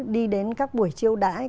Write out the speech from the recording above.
đi đến các buổi triệu đãi